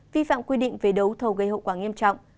vi phạm quy định về đấu thầu gây hậu quả nghiêm trọng